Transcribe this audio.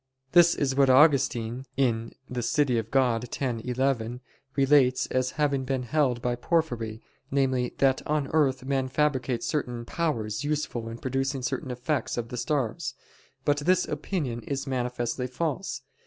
This is what Augustine (De Civ. Dei x, 11) relates as having been held by Porphyry, namely, that "on earth men fabricate certain powers useful in producing certain effects of the stars." But this opinion is manifestly false.